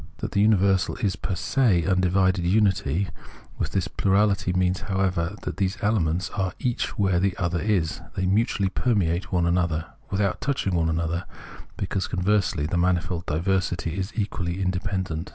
That the miiversal is fcr se in undivided unity with this plurality means, however, that these elements are each where the other is ; they m.utually permeate one another — without touching one another, because, conversely, the manifold diversity is equally independent.